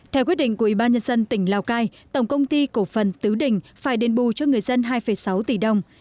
theo quyết định của ủy ban nhân dân tỉnh lào cai tổng công ty cổ phần tứ đình phải đền bù cho người dân hai sáu tỷ đồng